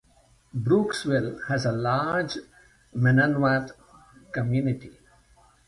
Brooksville has a large Mennonite community.